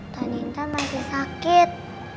tani intan masih sakit